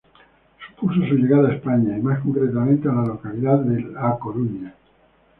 Supuso su llegada a España y más concretamente a la localidad de A Coruña.